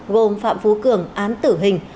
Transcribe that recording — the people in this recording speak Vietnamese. gồm phạm phú cường án tử hình